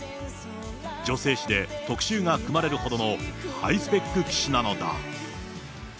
女性誌で特集が組まれるほどのハイスペック棋士なのだ。